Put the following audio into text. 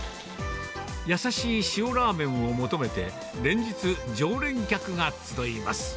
優しい塩ラーメンを求めて、連日、常連客が集います。